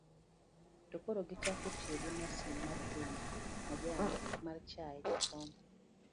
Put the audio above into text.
to koro gichako tiyo gi masin mar pono majan mar chaye. jakom